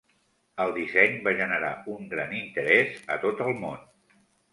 El disseny va generar un gran interès a tot el món.